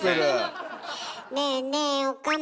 ねえねえ岡村。